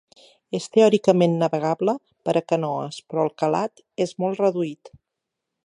És teòricament navegable per a canoes però el calat és molt reduït.